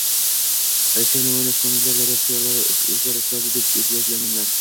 Alisher Navoiyni Usmoniylar davlati shoirlari o‘zlarining ustozi deb e’zozlaganlar...